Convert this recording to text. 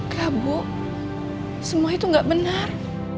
kak bu semua itu gak benar